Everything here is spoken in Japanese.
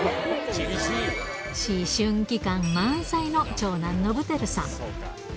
思春期感満載の長男、伸晃さん。